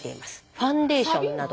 ファンデーションなど。